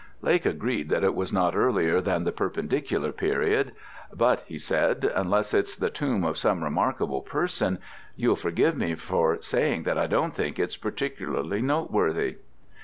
Lake agreed that it was not earlier than the Perpendicular period: "but," he said, "unless it's the tomb of some remarkable person, you'll forgive me for saying that I don't think it's particularly noteworthy."